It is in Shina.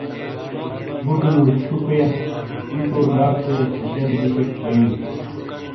بوٹنو چھوپیا، اُچو ڈاکویا چھچھری دیشیک بےیئ۔